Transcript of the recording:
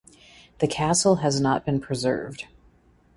The castle has not been preserved.